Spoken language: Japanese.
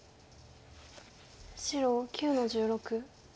白９の十六。